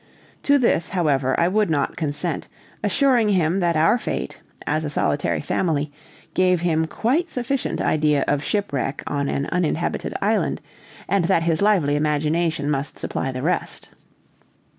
To this, however, I would not consent, assuring him that our fate, as a solitary family, gave him quite sufficient idea of shipwreck on an uninhabited island, and that his lively imagination must supply the rest.